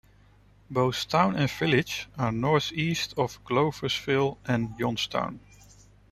Both town and village are northeast of Gloversville and Johnstown.